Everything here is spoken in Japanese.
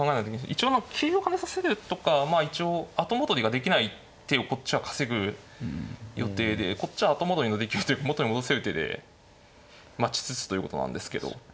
一応桂を跳ねさせるとか後戻りができない手をこっちは稼ぐ予定でこっちは後戻りのできる元に戻せる手で待ちつつということなんですけど。